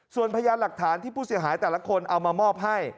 ส่วนพยานหลักฐานที่ผู้เสียหายแต่ละคนเอามามอบให้